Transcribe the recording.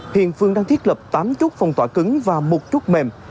hiện phương đang thiết lập tám chốt phòng tỏa cứng và một chút mềm